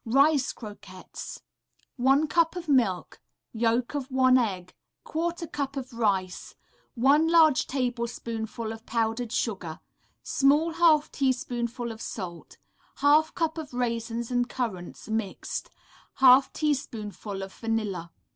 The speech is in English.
Rice Croquettes 1 cup of milk. Yolk of one egg. 1/4 cup of rice. 1 large tablespoonful of powdered sugar. Small half teaspoonful of salt. 1/2 cup of raisins and currants, mixed. 1/2 teaspoonful of vanilla.